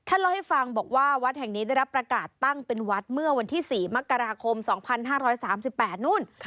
เล่าให้ฟังบอกว่าวัดแห่งนี้ได้รับประกาศตั้งเป็นวัดเมื่อวันที่๔มกราคม๒๕๓๘นู่น